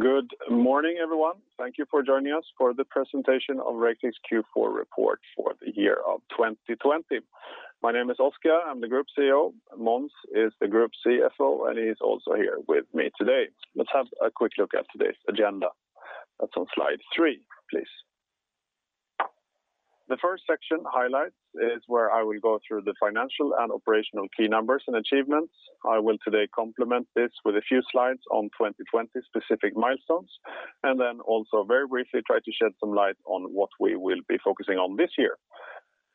Good morning, everyone. Thank you for joining us for the presentation of Raketech's Q4 report for the year of 2020. My name is Oskar. I'm the Group CEO. Måns is the Group CFO, and he's also here with me today. Let's have a quick look at today's agenda. That's on slide three, please. The first section, highlights, is where I will go through the financial and operational key numbers and achievements. I will today complement this with a few slides on 2020 specific milestones, and then also very briefly try to shed some light on what we will be focusing on this year.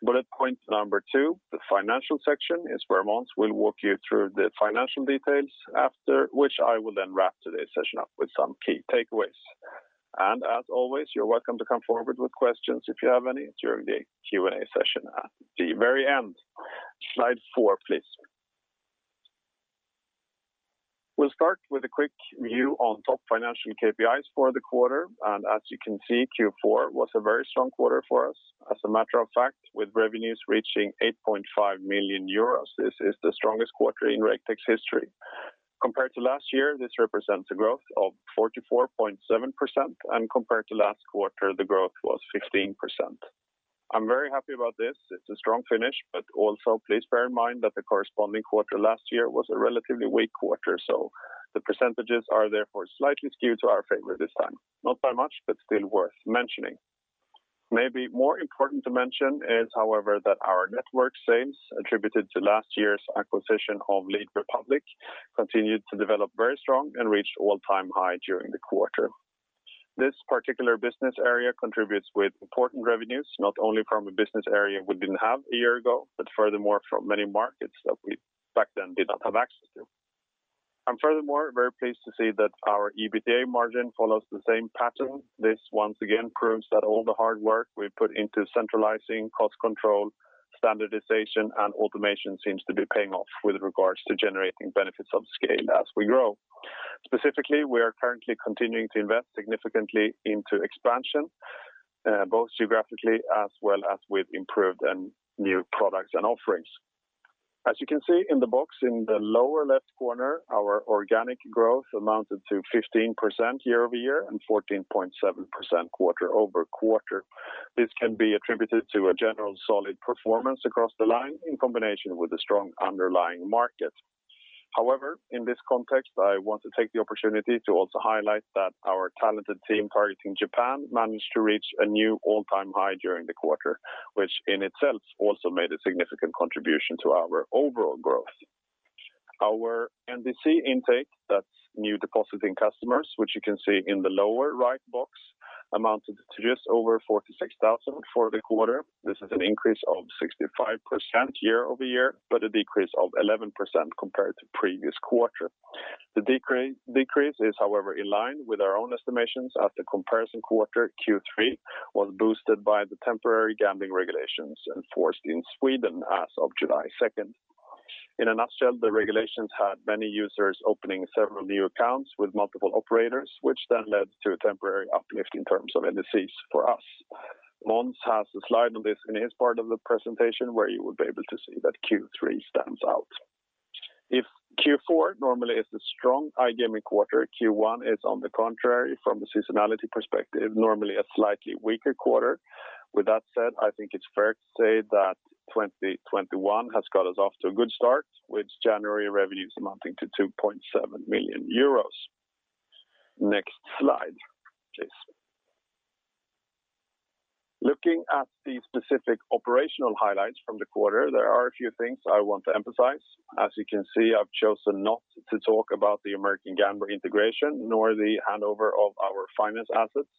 Bullet point number two, the financial section, is where Måns will walk you through the financial details, after which I will then wrap today's session up with some key takeaways. As always, you're welcome to come forward with questions if you have any during the Q&A session at the very end. Slide four, please. We'll start with a quick view on top financial KPIs for the quarter, and as you can see, Q4 was a very strong quarter for us. As a matter of fact, with revenues reaching 8.5 million euros, this is the strongest quarter in Raketech's history. Compared to last year, this represents a growth of 44.7%, and compared to last quarter, the growth was 15%. I'm very happy about this. It's a strong finish, but also please bear in mind that the corresponding quarter last year was a relatively weak quarter, so the percentages are therefore slightly skewed to our favor this time. Not by much, but still worth mentioning. Maybe more important to mention is, however, that our network sales attributed to last year's acquisition of Lead Republik continued to develop very strong and reached all-time high during the quarter. This particular business area contributes with important revenues, not only from a business area we didn't have a year ago, but furthermore, from many markets that we back then did not have access to. I'm furthermore very pleased to see that our EBITDA margin follows the same pattern. This once again proves that all the hard work we've put into centralizing cost control, standardization, and automation seems to be paying off with regards to generating benefits of scale as we grow. Specifically, we are currently continuing to invest significantly into expansion, both geographically as well as with improved and new products and offerings. As you can see in the box in the lower left corner, our organic growth amounted to 15% year-over-year and 14.7% quarter-over-quarter. This can be attributed to a general solid performance across the line in combination with a strong underlying market. However, in this context, I want to take the opportunity to also highlight that our talented team targeting Japan managed to reach a new all-time high during the quarter, which in itself also made a significant contribution to our overall growth. Our NDC intake, that's new depositing customers, which you can see in the lower right box, amounted to just over 46,000 for the quarter. This is an increase of 65% year-over-year, but a decrease of 11% compared to previous quarter. The decrease is, however, in line with our own estimations as the comparison quarter, Q3, was boosted by the temporary gambling regulations enforced in Sweden as of July 2nd. In a nutshell, the regulations had many users opening several new accounts with multiple operators, which then led to a temporary uplift in terms of NDCs for us. Måns has a slide on this in his part of the presentation, where you will be able to see that Q3 stands out. If Q4 normally is a strong iGaming quarter, Q1 is, on the contrary, from a seasonality perspective, normally a slightly weaker quarter. With that said, I think it's fair to say that 2021 has got us off to a good start with January revenues amounting to 2.7 million euros. Next slide, please. Looking at the specific operational highlights from the quarter, there are a few things I want to emphasize. As you can see, I've chosen not to talk about the American Gambler integration, nor the handover of our finance assets,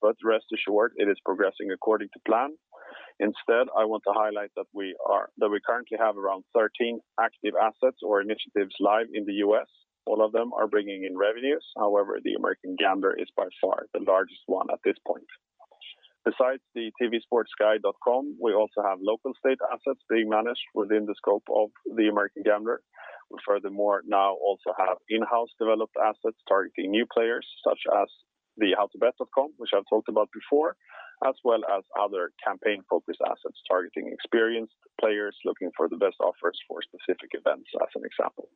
but rest assured, it is progressing according to plan. Instead, I want to highlight that we currently have around 13 active assets or initiatives live in the U.S. All of them are bringing in revenues. However, the American Gambler is by far the largest one at this point. Besides the TVsportguide.com, we also have local state assets being managed within the scope of the American Gambler. We furthermore now also have in-house developed assets targeting new players, such as the howtobet.com, which I've talked about before, as well as other campaign-focused assets targeting experienced players looking for the best offers for specific events, as an example.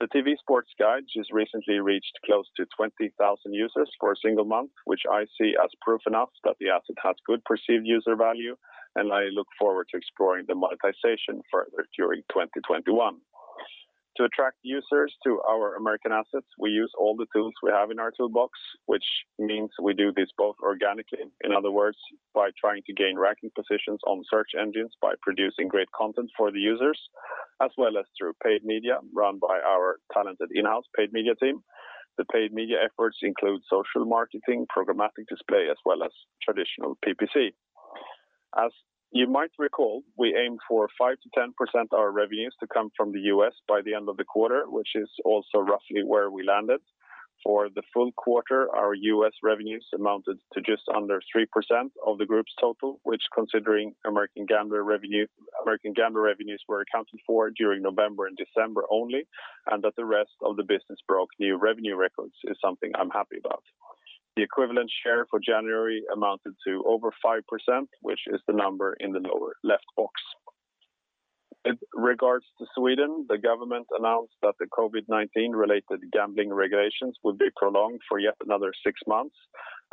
The TVsportguide just recently reached close to 20,000 users for a single month, which I see as proof enough that the asset has good perceived user value, and I look forward to exploring the monetization further during 2021. To attract users to our American assets, we use all the tools we have in our toolbox, which means we do this both organically, in other words, by trying to gain ranking positions on search engines by producing great content for the users, as well as through paid media run by our talented in-house paid media team. The paid media efforts include social marketing, programmatic display, as well as traditional PPC. As you might recall, we aimed for 5%-10% of our revenues to come from the U.S. by the end of the quarter, which is also roughly where we landed. For the full quarter, our U.S. revenues amounted to just under 3% of the group's total, which considering American Gambler revenues were accounted for during November and December only, and that the rest of the business broke new revenue records, is something I'm happy about. The equivalent share for January amounted to over 5%, which is the number in the lower left box. In regards to Sweden, the government announced that the COVID-19 related gambling regulations would be prolonged for yet another six months,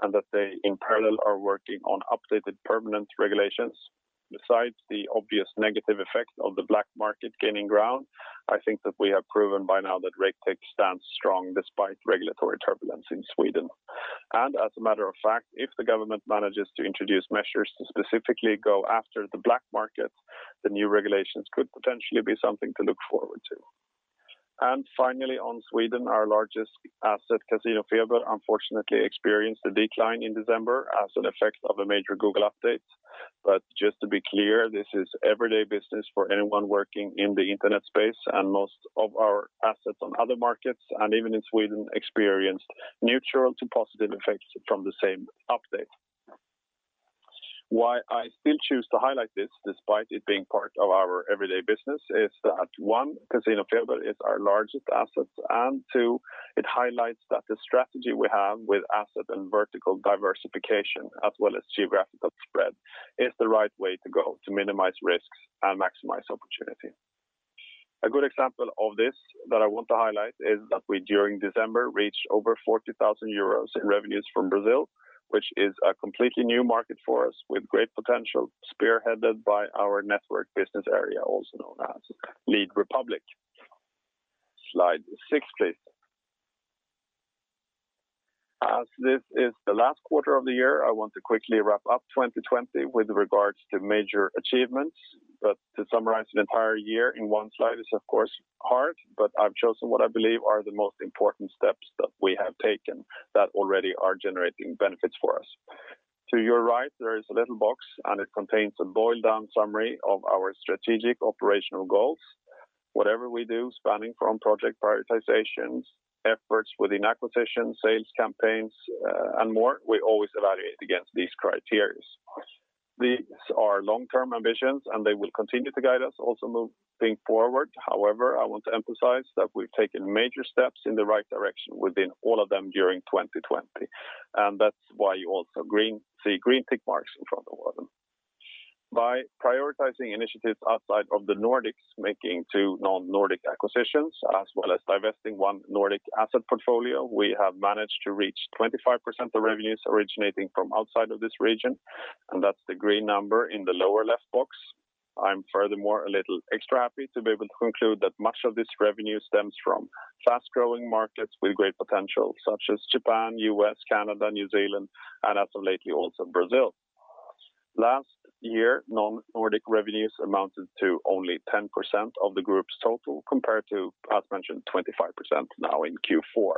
and that they, in parallel, are working on updated permanent regulations. Besides the obvious negative effects of the black market gaining ground, I think that we have proven by now that Raketech stands strong despite regulatory turbulence in Sweden. As a matter of fact, if the government manages to introduce measures to specifically go after the black market, the new regulations could potentially be something to look forward to. Finally, on Sweden, our largest asset, CasinoFeber, unfortunately experienced a decline in December as an effect of a major Google update. Just to be clear, this is everyday business for anyone working in the internet space and most of our assets on other markets, and even in Sweden, experienced neutral to positive effects from the same update. Why I still choose to highlight this, despite it being part of our everyday business, is that one, CasinoFeber is our largest asset, and two, it highlights that the strategy we have with asset and vertical diversification as well as geographical spread is the right way to go to minimize risks and maximize opportunity. A good example of this that I want to highlight is that we, during December, reached over 40,000 euros in revenues from Brazil, which is a completely new market for us with great potential, spearheaded by our network business area, also known as Lead Republik. Slide six, please. As this is the last quarter of the year, I want to quickly wrap up 2020 with regards to major achievements. To summarize an entire year in one slide is of course hard, but I've chosen what I believe are the most important steps that we have taken that already are generating benefits for us. To your right, there is a little box, and it contains a boiled down summary of our strategic operational goals. Whatever we do, spanning from project prioritizations, efforts within acquisition, sales campaigns, and more, we always evaluate against these criteria. These are long-term ambitions, and they will continue to guide us also moving forward. However, I want to emphasize that we've taken major steps in the right direction within all of them during 2020, and that's why you also see green tick marks in front of all of them. By prioritizing initiatives outside of the Nordics, making two non-Nordic acquisitions, as well as divesting one Nordic asset portfolio, we have managed to reach 25% of revenues originating from outside of this region, and that's the green number in the lower left box. I'm furthermore a little extra happy to be able to conclude that much of this revenue stems from fast-growing markets with great potential, such as Japan, U.S., Canada, New Zealand, and as of lately, also Brazil. Last year, non-Nordic revenues amounted to only 10% of the group's total, compared to, as mentioned, 25% now in Q4.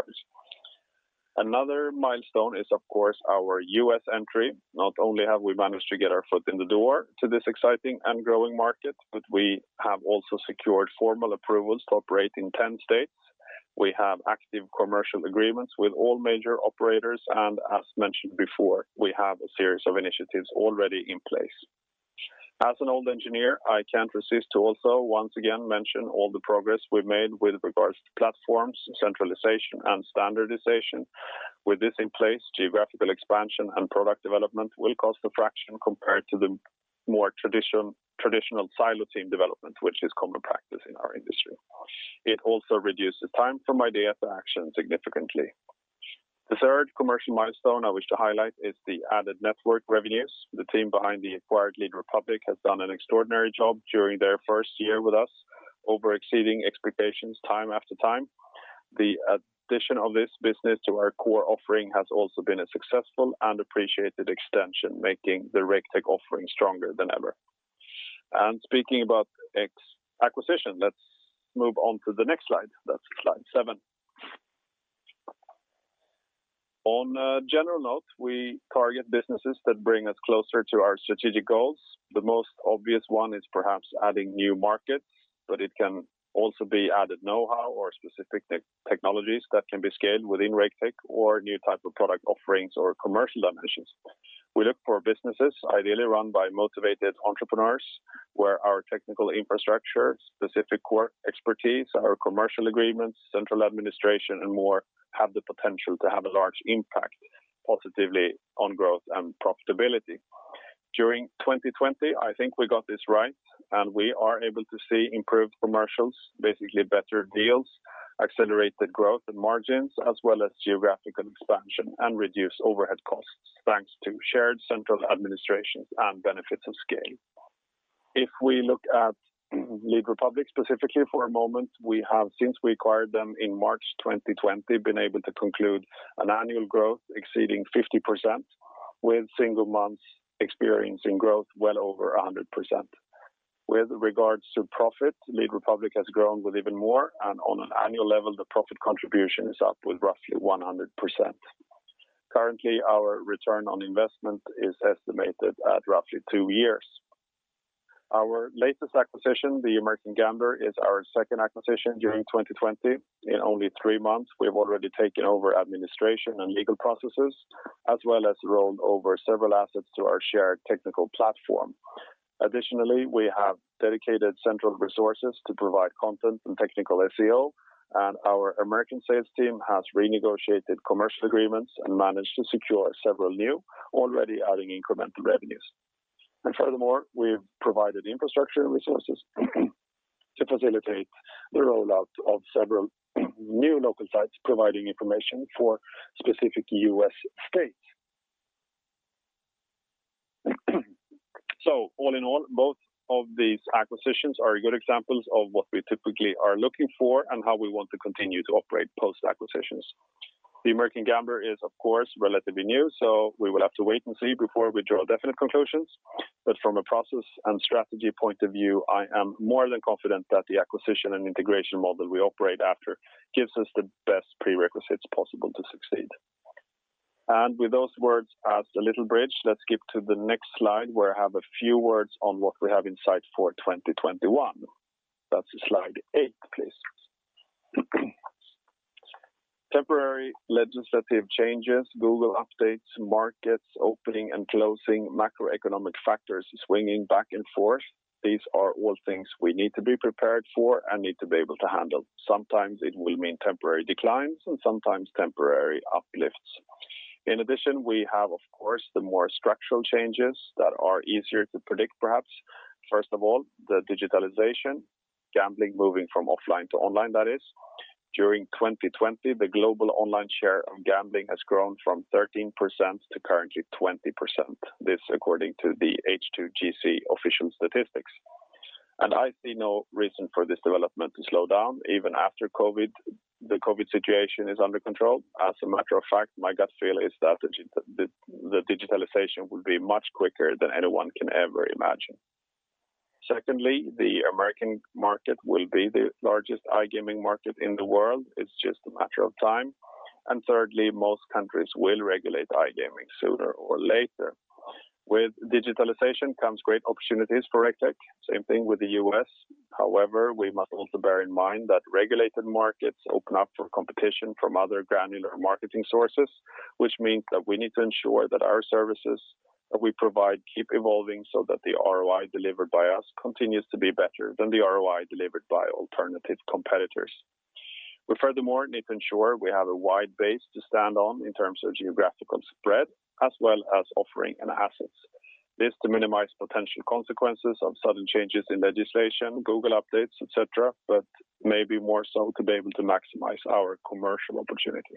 Another milestone is, of course, our U.S. entry. Not only have we managed to get our foot in the door to this exciting and growing market, but we have also secured formal approvals to operate in 10 states. We have active commercial agreements with all major operators. As mentioned before, we have a series of initiatives already in place. As an old engineer, I can't resist to also, once again, mention all the progress we've made with regards to platforms, centralization, and standardization. With this in place, geographical expansion and product development will cost a fraction compared to the more traditional silo team development, which is common practice in our industry. It also reduces time from idea to action significantly. The third commercial milestone I wish to highlight is the added network revenues. The team behind the acquired Lead Republik has done an extraordinary job during their first year with us, over exceeding expectations time after time. The addition of this business to our core offering has also been a successful and appreciated extension, making the Raketech offering stronger than ever. Speaking about acquisition, let's move on to the next slide. That's slide seven. On a general note, we target businesses that bring us closer to our strategic goals. The most obvious one is perhaps adding new markets, but it can also be added know-how or specific technologies that can be scaled within Raketech or new type of product offerings or commercial dimensions. We look for businesses ideally run by motivated entrepreneurs, where our technical infrastructure, specific core expertise, our commercial agreements, central administration, and more have the potential to have a large impact positively on growth and profitability. During 2020, I think we got this right. We are able to see improved commercials, basically better deals, accelerated growth and margins, as well as geographical expansion and reduced overhead costs, thanks to shared central administrations and benefits of scale. If we look at Lead Republik specifically for a moment, we have, since we acquired them in March 2020, been able to conclude an annual growth exceeding 50%, with single months experiencing growth well over 100%. With regards to profit, Lead Republik has grown with even more. On an annual level, the profit contribution is up with roughly 100%. Currently, our return on investment is estimated at roughly two years. Our latest acquisition, The American Gambler, is our second acquisition during 2020. In only three months, we have already taken over administration and legal processes, as well as rolled over several assets to our shared technical platform. Additionally, we have dedicated central resources to provide content and technical SEO, and our American sales team has renegotiated commercial agreements and managed to secure several new, already adding incremental revenues. Furthermore, we've provided infrastructure resources to facilitate the rollout of several new local sites providing information for specific U.S. states. All in all, both of these acquisitions are good examples of what we typically are looking for and how we want to continue to operate post-acquisitions. The American Gambler is, of course, relatively new, so we will have to wait and see before we draw definite conclusions. From a process and strategy point of view, I am more than confident that the acquisition and integration model we operate after gives us the best prerequisites possible to succeed. With those words as a little bridge, let's skip to the next slide, where I have a few words on what we have in sight for 2021. That's slide eight, please. Temporary legislative changes, Google updates, markets opening and closing, macroeconomic factors swinging back and forth. These are all things we need to be prepared for and need to be able to handle. Sometimes it will mean temporary declines and sometimes temporary uplifts. In addition, we have, of course, the more structural changes that are easier to predict, perhaps. First of all, the digitalization, gambling moving from offline to online, that is. During 2020, the global online share of gambling has grown from 13% to currently 20%. This according to the H2GC official statistics. I see no reason for this development to slow down even after the COVID situation is under control. As a matter of fact, my gut feel is that the digitalization will be much quicker than anyone can ever imagine. The American market will be the largest iGaming market in the world. It's just a matter of time. Most countries will regulate iGaming sooner or later. With digitalization comes great opportunities for Raketech. Same thing with the U.S. However, we must also bear in mind that regulated markets open up for competition from other granular marketing sources, which means that we need to ensure that our services that we provide keep evolving so that the ROI delivered by us continues to be better than the ROI delivered by alternative competitors. We furthermore need to ensure we have a wide base to stand on in terms of geographical spread, as well as offering and assets. This to minimize potential consequences of sudden changes in legislation, Google updates, et cetera, maybe more so to be able to maximize our commercial opportunity.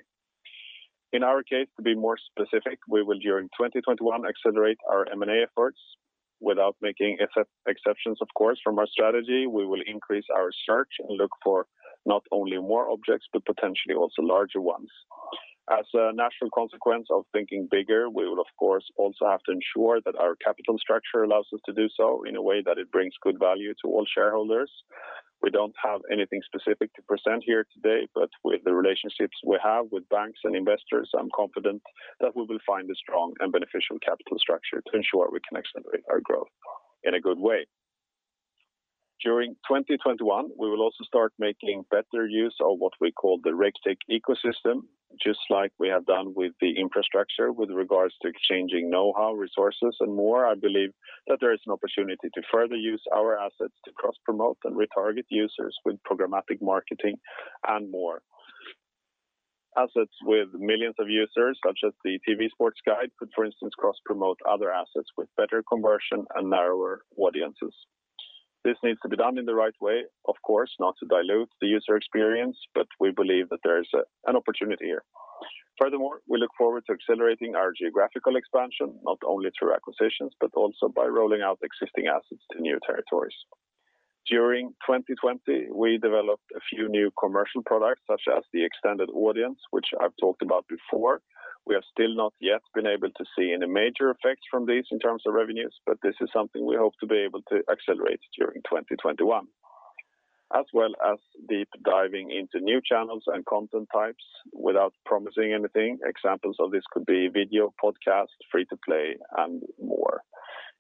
In our case, to be more specific, we will during 2021 accelerate our M&A efforts. Without making exceptions, of course, from our strategy, we will increase our search and look for not only more objects, potentially also larger ones. As a natural consequence of thinking bigger, we will, of course, also have to ensure that our capital structure allows us to do so in a way that it brings good value to all shareholders. We don't have anything specific to present here today, with the relationships we have with banks and investors, I'm confident that we will find a strong and beneficial capital structure to ensure we can accelerate our growth in a good way. During 2021, we will also start making better use of what we call the Raketech ecosystem, just like we have done with the infrastructure with regards to exchanging know-how, resources, and more. I believe that there is an opportunity to further use our assets to cross-promote and retarget users with programmatic marketing and more. Assets with millions of users, such as the TVsportguide, could, for instance, cross-promote other assets with better conversion and narrower audiences. This needs to be done in the right way, of course, not to dilute the user experience, but we believe that there is an opportunity here. Furthermore, we look forward to accelerating our geographical expansion, not only through acquisitions, but also by rolling out existing assets to new territories. During 2020, we developed a few new commercial products such as the Extended Audience, which I've talked about before. We have still not yet been able to see any major effects from these in terms of revenues, but this is something we hope to be able to accelerate during 2021. As well as deep diving into new channels and content types without promising anything. Examples of this could be video, podcast, free-to-play, and more.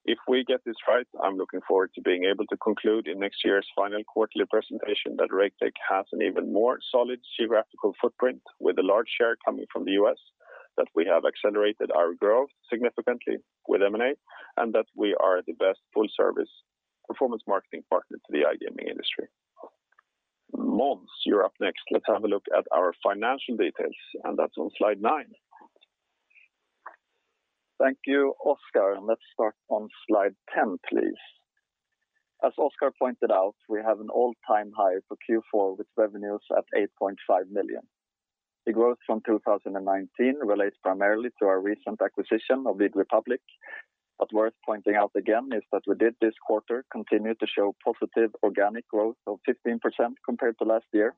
If we get this right, I'm looking forward to being able to conclude in next year's final quarterly presentation that Raketech has an even more solid geographical footprint with a large share coming from the U.S., that we have accelerated our growth significantly with M&A, and that we are the best full-service performance marketing partner to the iGaming industry. Måns, you're up next. Let's have a look at our financial details, and that's on slide nine. Thank you, Oskar. Let's start on slide 10, please. As Oskar pointed out, we have an all-time high for Q4 with revenues at 8.5 million. The growth from 2019 relates primarily to our recent acquisition of Lead Republik. Worth pointing out again is that we did this quarter continue to show positive organic growth of 15% compared to last year.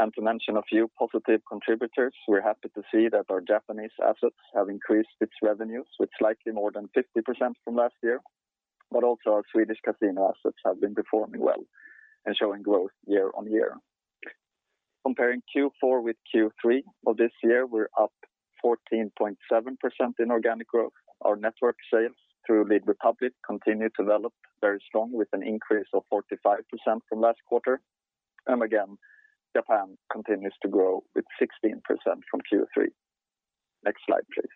To mention a few positive contributors, we're happy to see that our Japanese assets have increased its revenues with slightly more than 50% from last year. Also our Swedish casino assets have been performing well and showing growth year-on-year. Comparing Q4 with Q3 of this year, we're up 14.7% in organic growth. Our network sales through Lead Republik continue to develop very strong with an increase of 45% from last quarter. Again, Japan continues to grow with 16% from Q3. Next slide, please.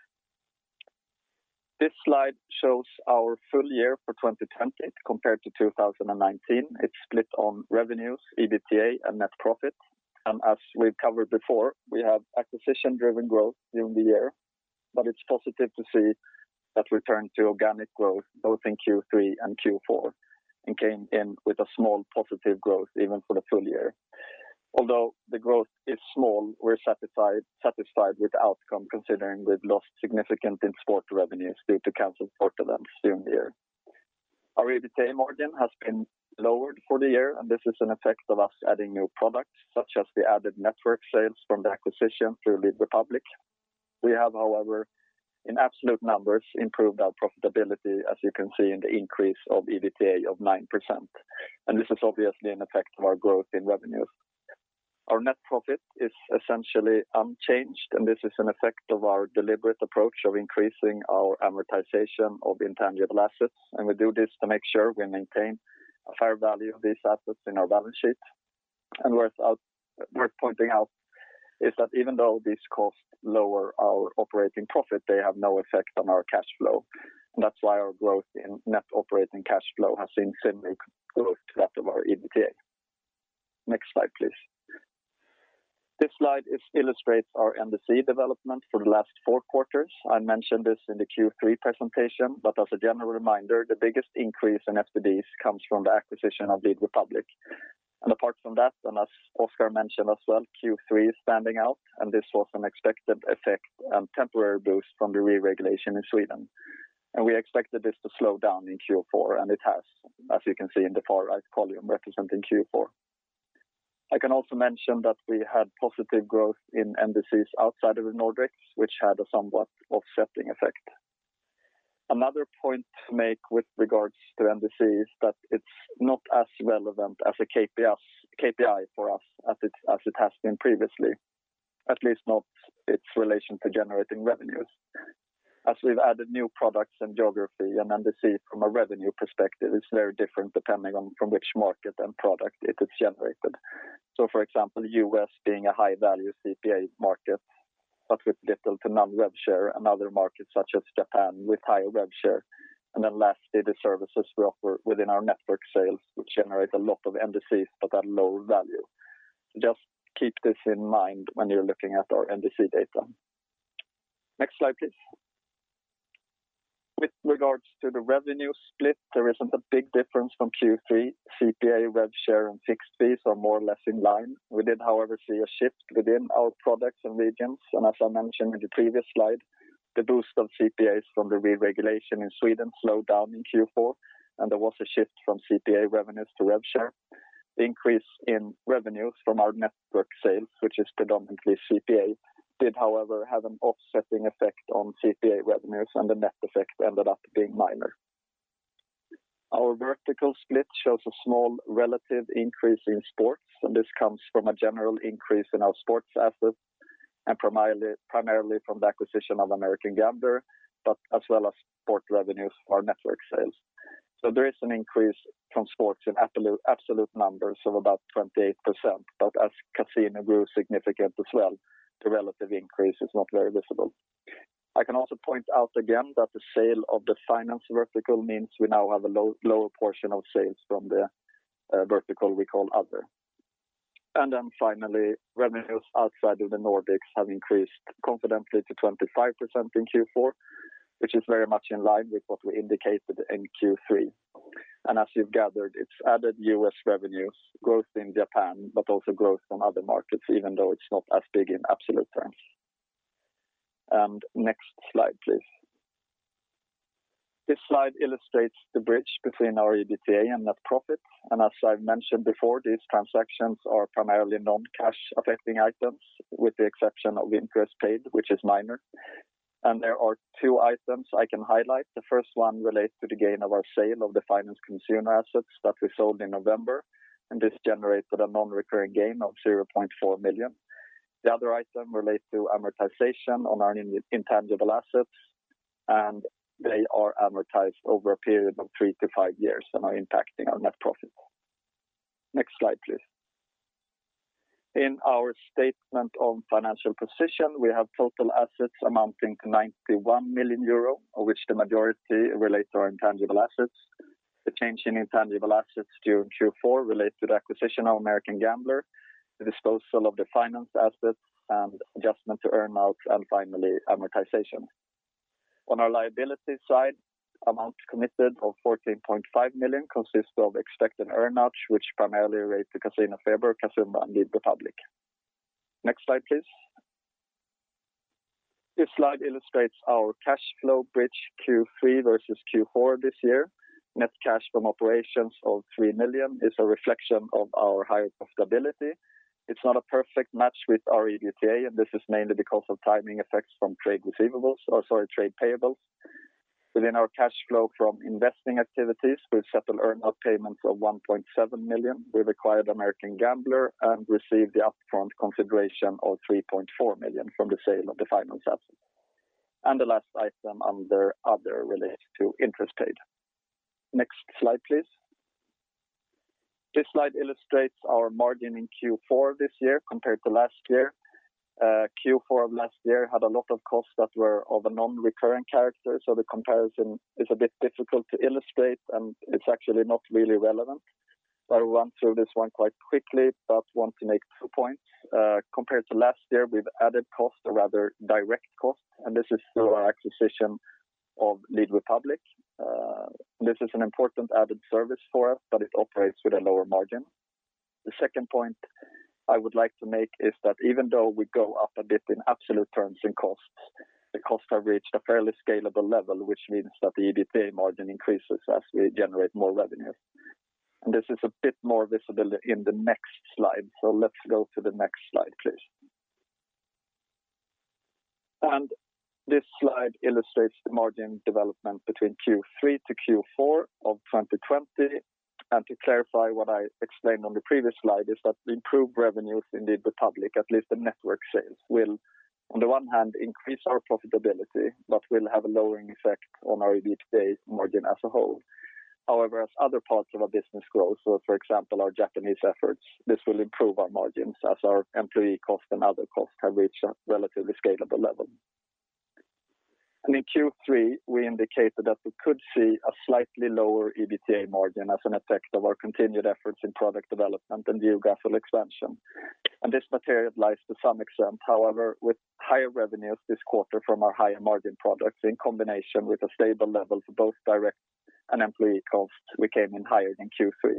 This slide shows our full year for 2020 compared to 2019. It's split on revenues, EBITDA, and net profit. As we've covered before, we had acquisition-driven growth during the year, but it's positive to see that return to organic growth both in Q3 and Q4, and came in with a small positive growth even for the full year. Although the growth is small, we're satisfied with the outcome considering we've lost significant in sport revenues due to canceled sports events during the year. Our EBITDA margin has been lowered for the year. This is an effect of us adding new products such as the added network sales from the acquisition through Lead Republik. We have, however, in absolute numbers, improved our profitability, as you can see in the increase of EBITDA of 9%. This is obviously an effect of our growth in revenues. Our net profit is essentially unchanged. This is an effect of our deliberate approach of increasing our amortization of intangible assets. We do this to make sure we maintain a fair value of these assets in our balance sheet. Worth pointing out is that even though these costs lower our operating profit, they have no effect on our cash flow. That's why our growth in net operating cash flow has seen similar growth to that of our EBITDA. Next slide, please. This slide illustrates our NDC development for the last four quarters. I mentioned this in the Q3 presentation, but as a general reminder, the biggest increase in FTDs comes from the acquisition of Lead Republik. Apart from that, and as Oskar mentioned as well, Q3 is standing out, and this was an expected effect and temporary boost from the re-regulation in Sweden. We expected this to slow down in Q4, and it has, as you can see in the far-right column representing Q4. I can also mention that we had positive growth in NDCs outside of the Nordics, which had a somewhat offsetting effect. Another point to make with regards to NDC is that it's not as relevant as a KPI for us as it has been previously, at least not its relation to generating revenues. As we've added new products and geography, an NDC from a revenue perspective is very different depending on from which market and product it is generated. For example, U.S. being a high-value CPA market, but with little to none RevShare and other markets such as Japan with higher RevShare, and then lastly, the services we offer within our network sales, which generate a lot of NDCs but at lower value. Just keep this in mind when you're looking at our NDC data. Next slide, please. With regards to the revenue split, there isn't a big difference from Q3. CPA, RevShare, and fixed fees are more or less in line. We did, however, see a shift within our products and regions, and as I mentioned in the previous slide, the boost of CPAs from the re-regulation in Sweden slowed down in Q4, and there was a shift from CPA revenues to RevShare. The increase in revenues from our network sales, which is predominantly CPA, did, however, have an offsetting effect on CPA revenues, and the net effect ended up being minor. Our vertical split shows a small relative increase in sports, and this comes from a general increase in our sports assets and primarily from the acquisition of American Gambler, but as well as sports revenues for our network sales. There is an increase from sports in absolute numbers of about 28%, but as casino grew significant as well, the relative increase is not very visible. I can also point out again that the sale of the finance vertical means we now have a lower portion of sales from the vertical we call other. Finally, revenues outside of the Nordics have increased confidently to 25% in Q4, which is very much in line with what we indicated in Q3. As you've gathered, it's added U.S. revenues growth in Japan, but also growth on other markets, even though it's not as big in absolute terms. Next slide, please. This slide illustrates the bridge between our EBITDA and net profit. As I've mentioned before, these transactions are primarily non-cash affecting items with the exception of interest paid, which is minor. There are two items I can highlight. The first one relates to the gain of our sale of the finance consumer assets that we sold in November, and this generated a non-recurring gain of 0.4 million. The other item relates to amortization on our intangible assets, and they are amortized over a period of three to five years and are impacting our net profit. Next slide, please. In our statement of financial position, we have total assets amounting to 91 million euro, of which the majority relate to our intangible assets. The change in intangible assets during Q4 relates to the acquisition of American Gambler, the disposal of the finance assets, and adjustment to earn-out, and finally, amortization. On our liability side, amount committed of 14.5 million consists of expected earn-outs, which primarily relates to CasinoFeber, Casumba, and Lead Republik. Next slide, please. This slide illustrates our cash flow bridge Q3 versus Q4 this year. Net cash from operations of 3 million is a reflection of our higher profitability. It's not a perfect match with our EBITDA. This is mainly because of timing effects from trade payables. Within our cash flow from investing activities, we settle earn-out payments of 1.7 million. We've acquired American Gambler and received the upfront consideration of 3.4 million from the sale of the finance assets. The last item under other relates to interest paid. Next slide, please. This slide illustrates our margin in Q4 this year compared to last year. Q4 of last year had a lot of costs that were of a non-recurring character. The comparison is a bit difficult to illustrate, and it's actually not really relevant. I'll run through this one quite quickly, but want to make two points. Compared to last year, we've added costs, or rather direct costs, and this is through our acquisition of Lead Republik. This is an important added service for us, but it operates with a lower margin. The second point I would like to make is that even though we go up a bit in absolute terms in costs, the costs have reached a fairly scalable level, which means that the EBITDA margin increases as we generate more revenue. This is a bit more visible in the next slide. Let's go to the next slide, please. This slide illustrates the margin development between Q3 to Q4 of 2020. To clarify what I explained on the previous slide is that the improved revenues in Lead Republik, at least the network sales, will on the one hand increase our profitability, but will have a lowering effect on our EBITDA margin as a whole. However, as other parts of our business grow, so for example, our Japanese efforts, this will improve our margins as our employee cost and other costs have reached a relatively scalable level. In Q3, we indicated that we could see a slightly lower EBITDA margin as an effect of our continued efforts in product development and geographical expansion. This materialized to some extent. However, with higher revenues this quarter from our higher-margin products in combination with a stable level for both direct and employee costs, we came in higher than Q3.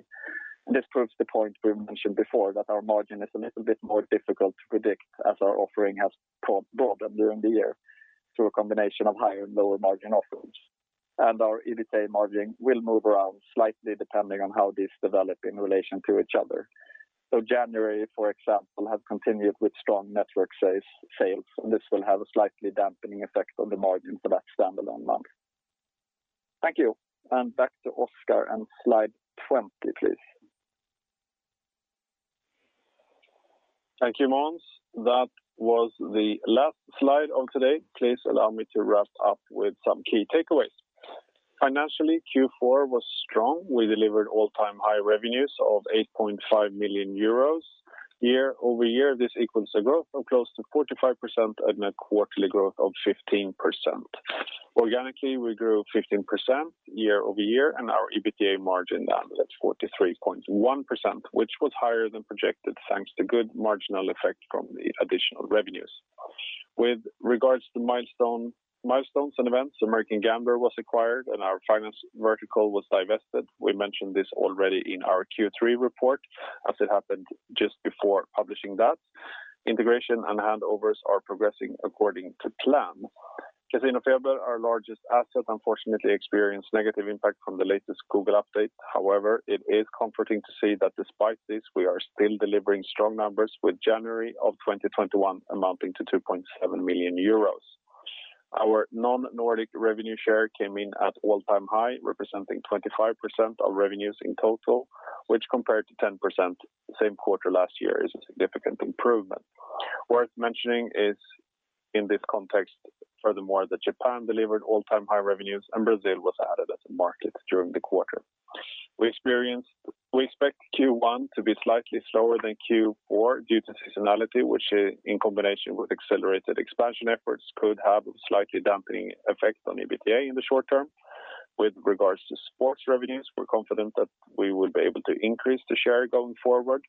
This proves the point we mentioned before, that our margin is a little bit more difficult to predict as our offering has broadened during the year through a combination of higher and lower margin offerings. Our EBITDA margin will move around slightly depending on how these develop in relation to each other. January, for example, has continued with strong network sales, this will have a slightly dampening effect on the margins for that standalone month. Thank you, and back to Oskar and slide 20, please. Thank you, Måns. That was the last slide of today. Please allow me to wrap up with some key takeaways. Financially, Q4 was strong. We delivered all-time high revenues of 8.5 million euros. Year-over-year, this equals a growth of close to 45% and a quarterly growth of 15%. Organically, we grew 15% year-over-year, and our EBITDA margin landed at 43.1%, which was higher than projected, thanks to good marginal effect from the additional revenues. With regards to milestones and events, American Gambler was acquired, and our finance vertical was divested. We mentioned this already in our Q3 report, as it happened just before publishing that. Integration and handovers are progressing according to plan. CasinoFeber, our largest asset, unfortunately experienced negative impact from the latest Google update. However, it is comforting to see that despite this, we are still delivering strong numbers, with January of 2021 amounting to 2.7 million euros. Our non-Nordic revenue share came in at all-time high, representing 25% of revenues in total, which compared to 10% the same quarter last year is a significant improvement. Worth mentioning is in this context, furthermore, that Japan delivered all-time high revenues, and Brazil was added as a market during the quarter. We expect Q1 to be slightly slower than Q4 due to seasonality, which in combination with accelerated expansion efforts could have a slightly dampening effect on EBITDA in the short term. With regards to sports revenues, we're confident that we will be able to increase the share going forward.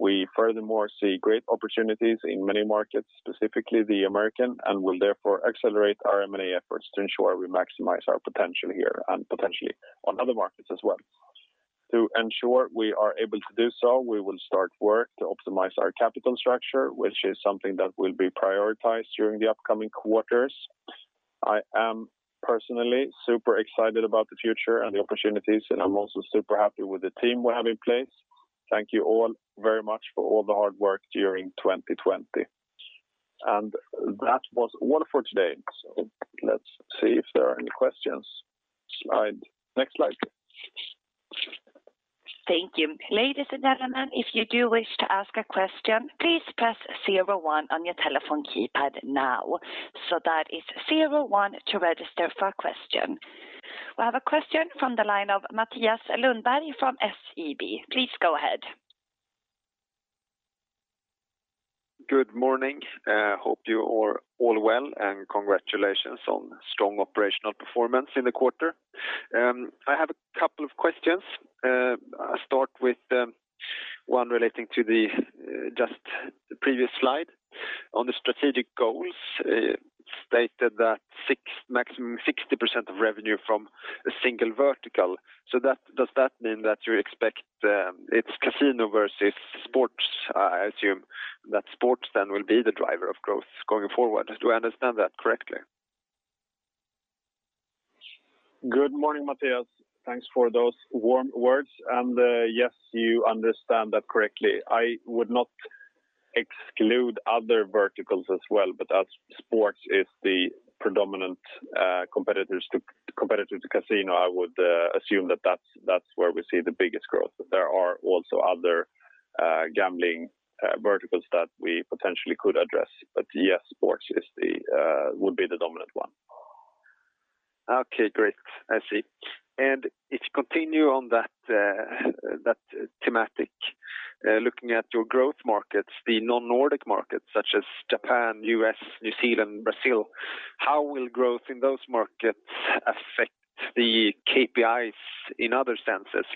We furthermore see great opportunities in many markets, specifically the American, will therefore accelerate our M&A efforts to ensure we maximize our potential here and potentially on other markets as well. To ensure we are able to do so, we will start work to optimize our capital structure, which is something that will be prioritized during the upcoming quarters. I am personally super excited about the future and the opportunities, I'm also super happy with the team we have in place. Thank you all very much for all the hard work during 2020. That was all for today. Let's see if there are any questions. Next slide. Thank you. Ladies and gentlemen, if you do wish to ask a question, please press zero one on your telephone keypad now. That is zero one to register for a question. We have a question from the line of Mathias Lundberg from SEB. Please go ahead. Good morning. Hope you are all well, and congratulations on strong operational performance in the quarter. I have a couple of questions. I start with one relating to just the previous slide. On the strategic goals, stated that maximum 60% of revenue from a single vertical. Does that mean that you expect it's casino versus sports? I assume that sports then will be the driver of growth going forward. Do I understand that correctly? Good morning, Mathias. Thanks for those warm words. Yes, you understand that correctly. I would not exclude other verticals as well, but as sports is the predominant competitor to casino, I would assume that that's where we see the biggest growth. There are also other gambling verticals that we potentially could address. Yes, sports would be the dominant one. Okay, great. I see. If you continue on that thematic, looking at your growth markets, the non-Nordic markets such as Japan, U.S., New Zealand, Brazil, how will growth in those markets affect the KPIs in other senses?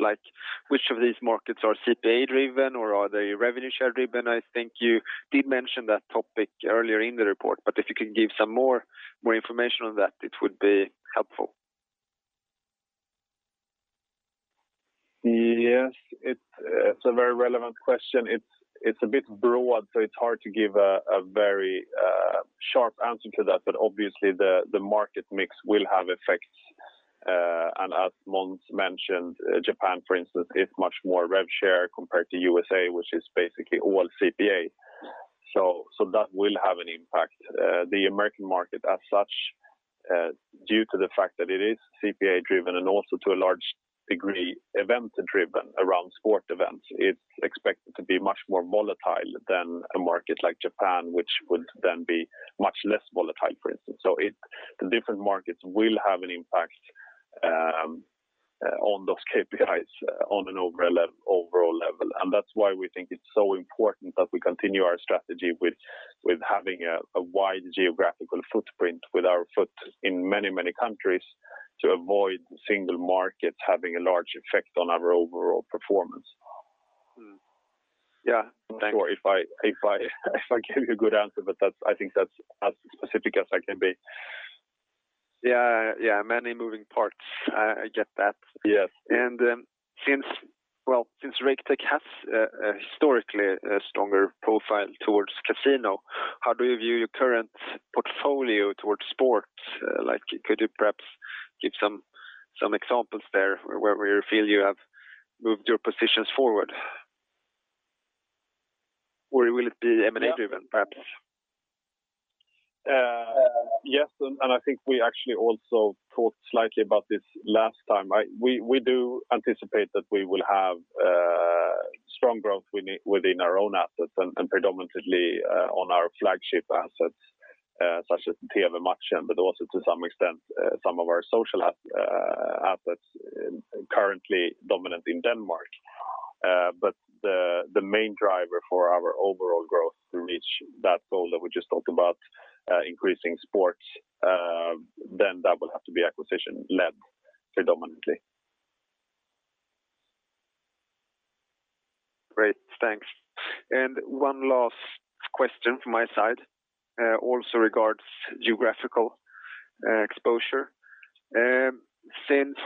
Which of these markets are CPA driven, or are they revenue share driven? I think you did mention that topic earlier in the report, but if you could give some more information on that, it would be helpful. Yes. It's a very relevant question. It's a bit broad, so it's hard to give a very sharp answer to that. Obviously the market mix will have effects. As Måns mentioned, Japan, for instance, is much more RevShare compared to U.S.A., which is basically all CPA. That will have an impact. The American market as such, due to the fact that it is CPA driven and also to a large degree, event-driven around sport events, it's expected to be much more volatile than a market like Japan, which would then be much less volatile, for instance. The different markets will have an impact on those KPIs on an overall level. That's why we think it's so important that we continue our strategy with having a wide geographical footprint with our foot in many, many countries to avoid single markets having a large effect on our overall performance. Yeah. Thanks. I'm not sure if I gave you a good answer, but I think that's as specific as I can be. Yeah. Many moving parts. I get that. Yes. Since Raketech has historically a stronger profile towards casino, how do you view your current portfolio towards sports? Could you perhaps give some examples there where you feel you have moved your positions forward? Or will it be M&A driven, perhaps? Yes, I think we actually also talked slightly about this last time. We do anticipate that we will have strong growth within our own assets and predominantly on our flagship assets such as TVmatchen, but also to some extent some of our social assets currently dominant in Denmark. The main driver for our overall growth to reach that goal that we just talked about increasing sports, that will have to be acquisition-led predominantly. Great, thanks. One last question from my side also regards geographical exposure. Since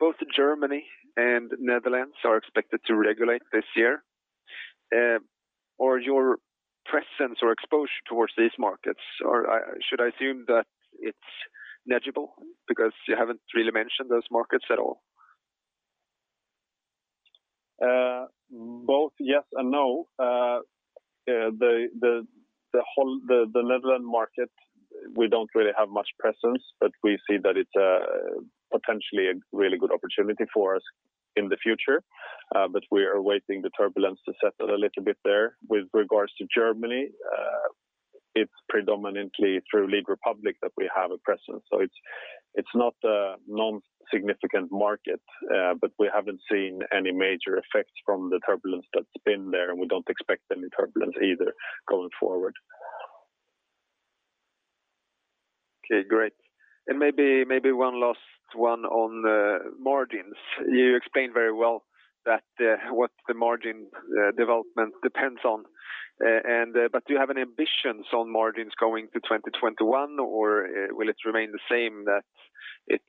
both Germany and Netherlands are expected to regulate this year, your presence or exposure towards these markets, or should I assume that it's negligible because you haven't really mentioned those markets at all? Both yes and no. The Netherlands market, we don't really have much presence, but we see that it's potentially a really good opportunity for us in the future. We are waiting the turbulence to settle a little bit there. With regards to Germany, it's predominantly through Lead Republik that we have a presence. It's not a non-significant market. We haven't seen any major effects from the turbulence that's been there, and we don't expect any turbulence either going forward. Okay, great. Maybe one last one on margins. You explained very well what the margin development depends on. Do you have any ambitions on margins going to 2021, or will it remain the same that it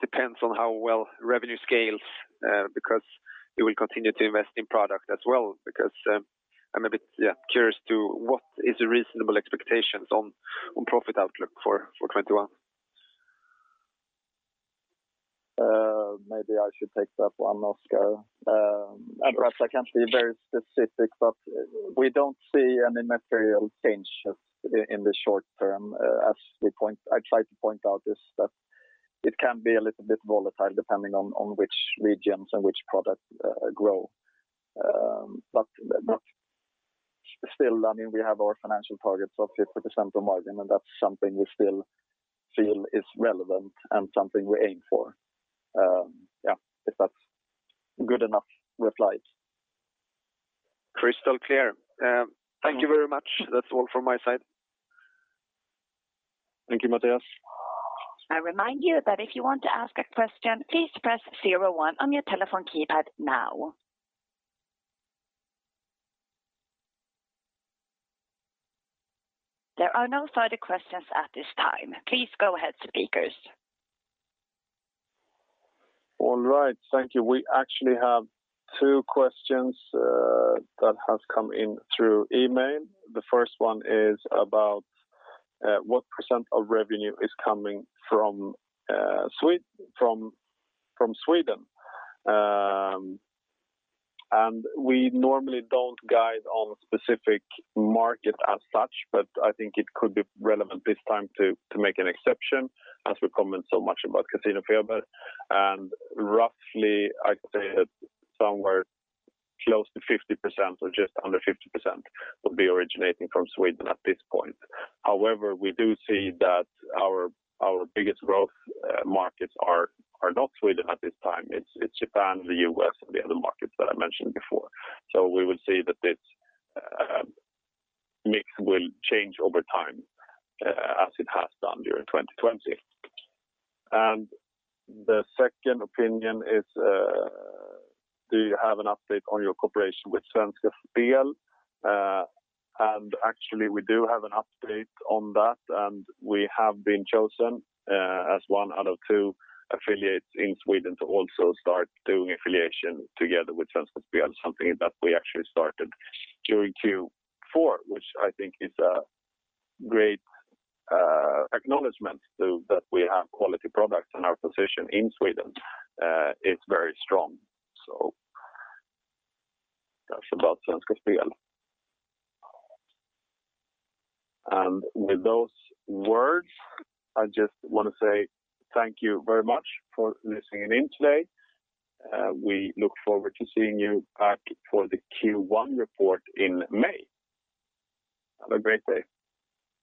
depends on how well revenue scales? You will continue to invest in product as well, because I'm a bit curious to what is a reasonable expectation on profit outlook for 2021. Maybe I should take that one, Oskar. Perhaps I can't be very specific, but we don't see any material change in the short term. As I tried to point out, is that it can be a little bit volatile depending on which regions and which products grow. Still, we have our financial targets of 50% of margin, and that's something we still feel is relevant and something we aim for. If that's a good enough reply. Crystal clear. Thank you very much. That's all from my side. Thank you, Mathias. I remind you that if you want to ask a question, please press zero one on your telephone keypad now. There are no further questions at this time. Please go ahead, speakers. All right. Thank you. We actually have two questions that have come in through email. The first one is about what percent of revenue is coming from Sweden. We normally don't guide on specific market as such, but I think it could be relevant this time to make an exception as we comment so much about CasinoFeber. Roughly, I'd say that somewhere close to 50% or just under 50% will be originating from Sweden at this point. However, we do see that our biggest growth markets are not Sweden at this time. It's Japan, the U.S., and the other markets that I mentioned before. We will see that this mix will change over time as it has done during 2020. The second opinion is, do you have an update on your cooperation with Svenska Spel? Actually, we do have an update on that, and we have been chosen as one out of two affiliates in Sweden to also start doing affiliation together with Svenska Spel, something that we actually started during Q4, which I think is a great acknowledgment too, that we have quality products and our position in Sweden is very strong. That's about Svenska Spel. With those words, I just want to say thank you very much for listening in today. We look forward to seeing you back for the Q1 report in May. Have a great day.